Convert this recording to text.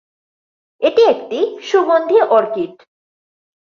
এটি একটি সুগন্ধি অর্কিড।